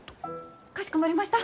かしこまりました。